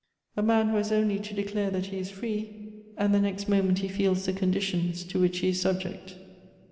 " A man who has only to declare that he is free, and the next moment he feels the conditions to which he is subject.